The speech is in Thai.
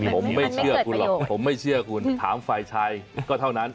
ผมไม่เชื่อคุณหรอกถามไฟชายก็เท่านั้น